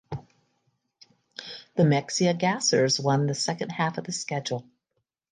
The Mexia Gassers won the second half of the schedule.